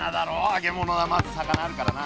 揚げ物はまず魚あるからな。